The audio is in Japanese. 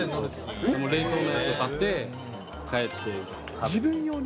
冷凍のやつを買って帰って食自分用に？